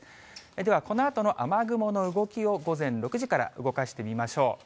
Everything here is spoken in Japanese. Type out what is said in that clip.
では、このあとの雨雲の動きを午前６時から動かしてみましょう。